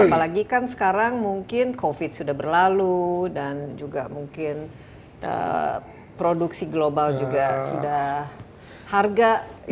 apalagi kan sekarang mungkin covid sudah berlalu dan juga mungkin produksi global juga sudah harga